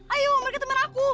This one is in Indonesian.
ayo mereka teman aku